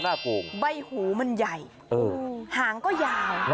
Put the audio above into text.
โห้ววหางยาว